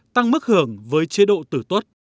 tăng mức hưởng với chế độ tử tuất